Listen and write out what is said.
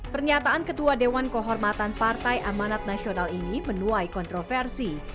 pernyataan ketua dewan kehormatan partai amanat nasional ini menuai kontroversi